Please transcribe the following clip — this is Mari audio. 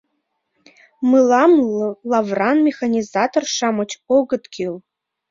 — Мылам лавыран механизатор-шамыч огыт кӱл!